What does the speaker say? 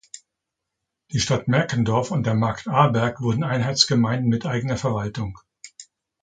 Die Stadt Merkendorf und der Markt Arberg wurden Einheitsgemeinden mit eigener Verwaltung.